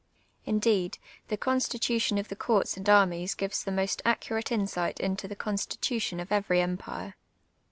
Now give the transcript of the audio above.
Indeed, the constitution of the com ts and armies jjives the most accurate insi«;ht into the constitu tion of every emjiirc.